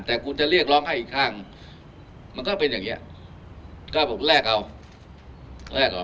แต่คุณจะเรียกร้องให้อีกข้างมันก็เป็นอย่างเงี้ยก็ผมแลกเอาก็แลกเอา